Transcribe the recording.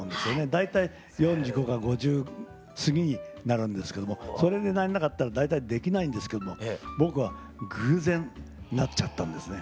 大体４５か５０過ぎになるんですけどもそれでなれなかったら大体できないんですけども僕は偶然なっちゃったんですね。